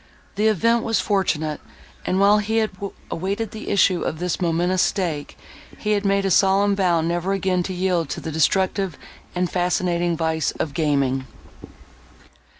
The event was fortunate, and, while he had awaited the issue of this momentous stake, he made a solemn vow never again to yield to the destructive and fascinating vice of gaming.